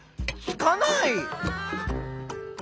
つかない。